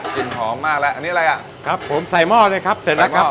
หอมมากแล้วอันนี้อะไรอ่ะครับผมใส่หม้อเลยครับเสร็จแล้วครับ